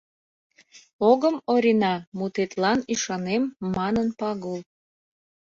— Огым, Орина, мутетлан ӱшанем, — манын Пагул.